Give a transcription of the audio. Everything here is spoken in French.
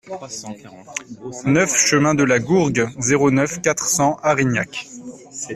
neuf chemin de la Gourgue, zéro neuf, quatre cents Arignac